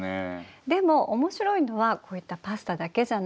でもおもしろいのはこういったパスタだけじゃないの。